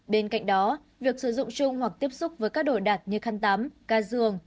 bên cạnh đó việc sử dụng chung hoặc tiếp xúc với các đồ đặt như khăn tắm ca giường